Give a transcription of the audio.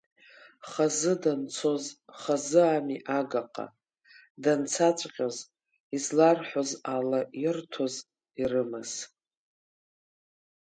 Хазы данцоз, хазы ами, Агаҟа данцаҵәҟьоз изларҳәоз ала, ирҭоз ирымаз…